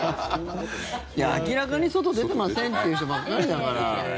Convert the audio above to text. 明らかに外出てませんっていう人ばっかりだから。